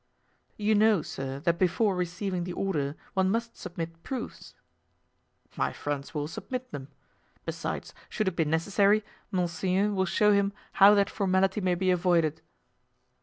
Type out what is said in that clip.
"You know, sir, that before receiving the order one must submit proofs." "My friends will submit them. Besides, should it be necessary, monseigneur will show him how that formality may be avoided."